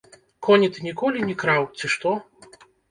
Коні ты ніколі не краў, ці што?